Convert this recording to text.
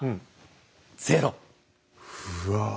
うわ。